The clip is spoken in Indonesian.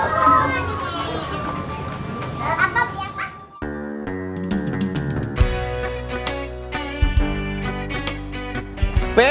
apa beri apa